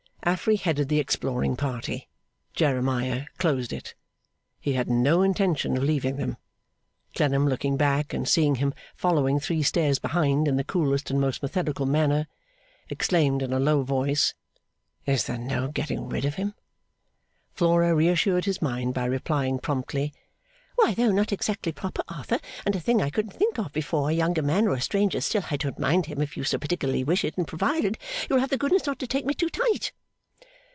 Affery headed the exploring party; Jeremiah closed it. He had no intention of leaving them. Clennam looking back, and seeing him following three stairs behind, in the coolest and most methodical manner exclaimed in a low voice, 'Is there no getting rid of him!' Flora reassured his mind by replying promptly, 'Why though not exactly proper Arthur and a thing I couldn't think of before a younger man or a stranger still I don't mind him if you so particularly wish it and provided you'll have the goodness not to take me too tight.